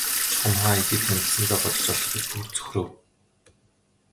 Чухам хаа хэдийд танилцсанаа бодож олох гэж бүр цөхрөв.